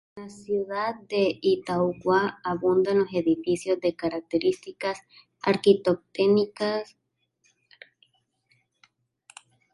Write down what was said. En la ciudad de Itauguá abundan los edificios de características arquitectónicas coloniales.